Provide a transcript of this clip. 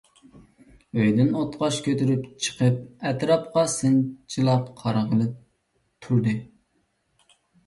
ئۆيدىن ئوتقاش كۆتۈرۈپ چىقىپ، ئەتراپقا سىنچىلاپ قارىغىلى تۇردى.